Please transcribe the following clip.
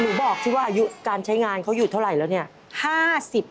หนูบอกสิว่าอายุการใช้งานเขาอยู่เท่าไหร่แล้วเนี่ย